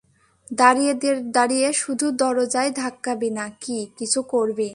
দাঁড়িয়ে দাঁড়িয়ে শুধু দরজাই ধাক্কাবি না কি কিছু করবি!